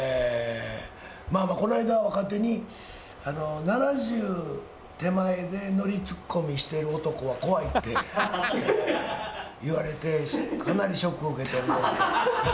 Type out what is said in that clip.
まあまあ、この間、若手に、７０手前でノリツッコミしてる男は怖いって言われて、かなりショックを受けておりますが。